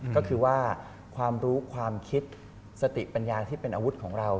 ก็คือว่าความรู้ความคิดสติปัญญาที่เป็นอาวุธของเรา